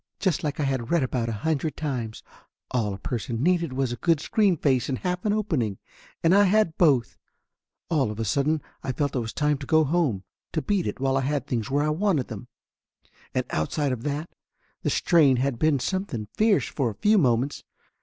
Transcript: Just like I had read about a hundred times. All a person needed was a good screen face and half an opening. And I had both. All of a sudden I felt it was time to go home, to beat it while I had things Laughter Limited 31 where I wanted them. And outside of that, the strain had been something fierce for a few moments.